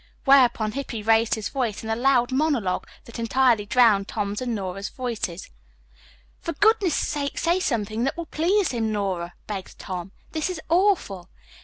Whereupon Hippy raised his voice in a loud monologue that entirely drowned Tom's and Nora's voices. "For goodness' sake, say something that will please him, Nora," begged Tom. "This is awful."